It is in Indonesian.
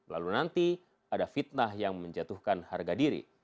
lalu nanti ada fitnah yang menjatuhkan harga diri